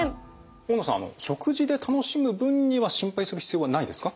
大野さん食事で楽しむ分には心配する必要はないですか？